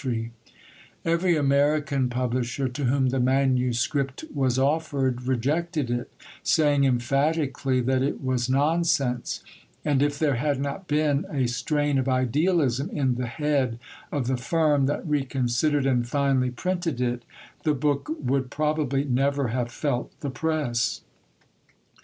Every American publisher to whom the manuscript was offered, rejected it, saying emphatically that it was nonsense; and if there had not been a strain of idealism in the Head of the firm that reconsidered and finally printed it, the book would probably never have felt the press.